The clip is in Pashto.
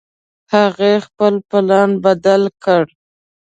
هغې خپل پلان بدل کړ